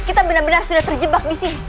kita benar benar sudah terjebak disini